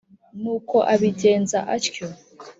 Nuko abigenza atyo